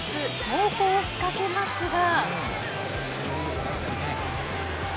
猛攻を仕掛けますが。